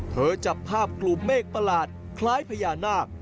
จับภาพกลุ่มเมฆประหลาดคล้ายพญานาค